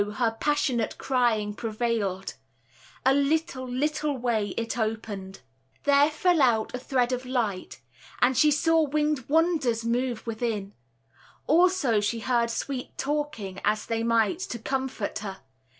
her passionate Crying prevailed. A little little way It opened: there fell out a thread of light, And she saw wingèd wonders move within; Also she heard sweet talking as they meant To comfort her.